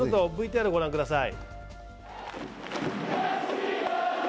ＶＴＲ御覧ください。